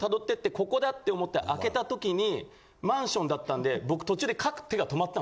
ここだって思って開けた時にマンションだったんで僕途中で。